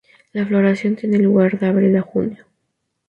La floración tiene lugar de abril a junio.